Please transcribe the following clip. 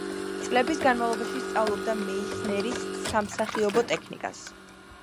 წლების განმავლობაში სწავლობდა მეისნერის სამსახიობო ტექნიკას.